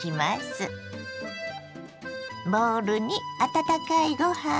ボウルに温かいご飯